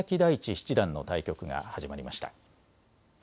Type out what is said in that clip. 七段の対局が始まりました。